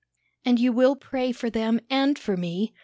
"And you will pray for them and for me?"